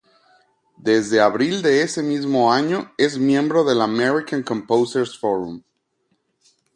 Desde abril de ese mismo año es miembro del American Composers Forum.